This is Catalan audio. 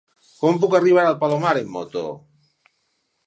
Com puc arribar al Palomar amb moto?